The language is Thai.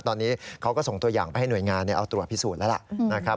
ตอนนี้เขาก็ส่งตัวอย่างไปให้หน่วยงานเอาตรวจพิสูจน์แล้วล่ะนะครับ